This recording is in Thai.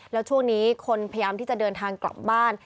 แล้วช่วงนี้คนพยายามที่จะเดินทางกลับบ้าน